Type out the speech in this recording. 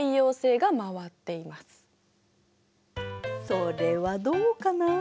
それはどうかな？